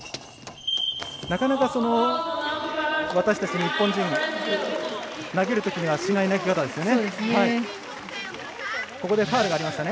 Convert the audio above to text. なかなか、私たち日本人投げるときにはしない投げ方ですよね。